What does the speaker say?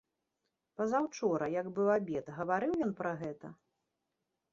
Пазаўчора, як быў абед, гаварыў ён пра гэта?